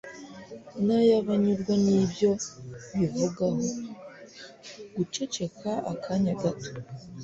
n'ay'abanyurwa n'ibyo bivugaho. (guceceka akanya gato